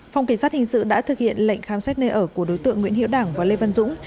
phòng cảnh sát hình sự đã thực hiện lệnh khám xét nơi ở của đối tượng nguyễn hiệu đảng và lê văn dũng